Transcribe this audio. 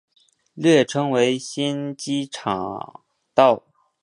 略称为新机场道。